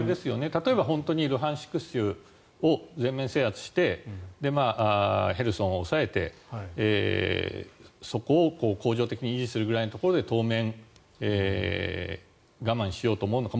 例えば、本当にルハンシク州を全面制圧してヘルソンを押さえてそこを恒常的に維持するぐらいのところで当面、我慢しようと思うのか。